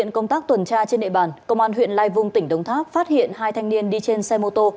cảm ơn các bạn đã theo dõi